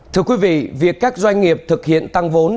thưa quý vị việc các doanh nghiệp thực hiện tăng vốn